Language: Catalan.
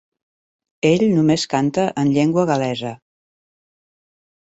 Ell només canta en llengua gal·lesa.